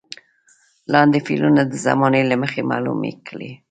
لاندې فعلونه د زمانې له مخې معلوم کړئ.